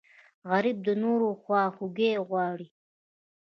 غریب د نورو خواخوږی غواړي